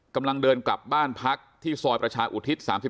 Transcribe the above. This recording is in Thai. กำลังเดินกลับบ้านพักที่ซอยประชาอุทิศ๓๔